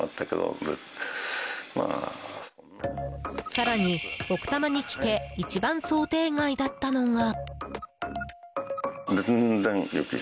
更に、奥多摩に来て一番想定外だったのが。